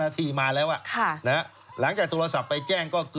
ที่มาแล้วหลังจากโทรศัพท์ไปแจ้งก็